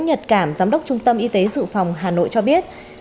ông nguyễn nhật cảm giám đốc trung tâm y tế dự phòng hà nội cho biết